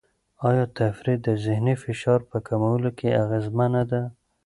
آیا تفریح د ذهني فشار په کمولو کې اغېزمنه ده؟